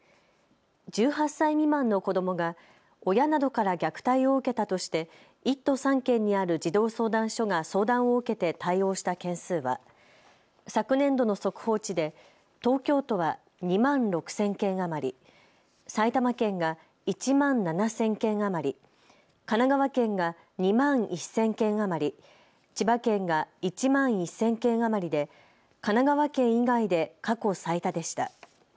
１８歳未満の子どもが親などから虐待を受けたとして１都３県にある児童相談所が相談を受けて対応した件数は昨年度の速報値で東京都は２万６０００件余り、埼玉県が１万７０００件余り、神奈川県が２万１０００件余り、千葉県が１万１０００件余りで神奈川県以外で過去最多でした。